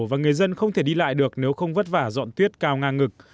và người dân không thể đi lại được nếu không vất vả dọn tuyết cao ngang ngực